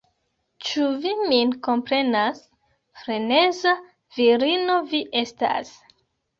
Ĉu vi min komprenas? Freneza virino vi estas